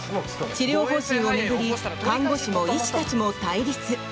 治療方針を巡り看護師も医師たちも対立。